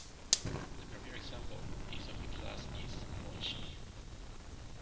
The premier example is of the class is MoCl.